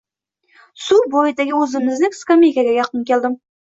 Suv bo‘yidagi o‘zimizning skameykaga yaqin keldim.